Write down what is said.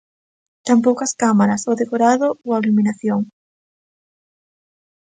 Tampouco as cámaras, o decorado ou a iluminación.